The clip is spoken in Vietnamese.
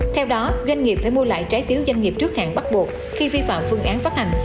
theo đó doanh nghiệp phải mua lại trái phiếu doanh nghiệp trước hạn bắt buộc khi vi phạm phương án phát hành